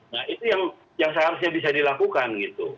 nah itu yang seharusnya bisa dilakukan gitu